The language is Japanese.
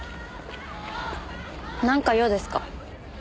なんか用ですか？